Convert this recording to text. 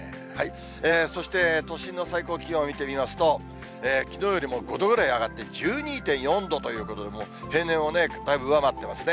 そして都心の最高気温を見てみますと、きのうよりも５度ぐらい上がって１２．４度ということで、もう平年をだいぶ上回ってますね。